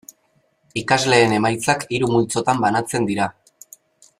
Ikasleen emaitzak hiru multzotan banatzen dira.